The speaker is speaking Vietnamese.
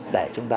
để chúng ta